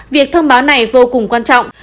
việc thông báo này vô cùng quan trọng